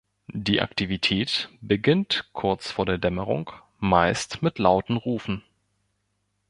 Die Aktivität beginnt kurz vor der Dämmerung, meist mit lauten Rufen.